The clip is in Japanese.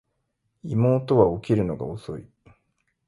妹は起きるのが遅い